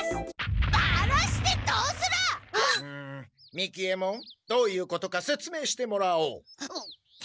三木ヱ門どういうことかせつめいしてもらおう。